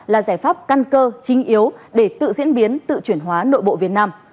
là giải pháp căn cơ chính yếu để tự diễn biến tự chuyển hóa nội bộ việt nam